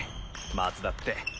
松田って。